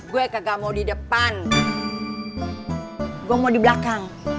gue kagak mau di depan gue mau di belakang